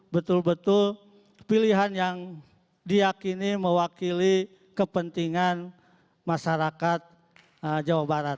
betul betul pilihan yang diakini mewakili kepentingan masyarakat jawa barat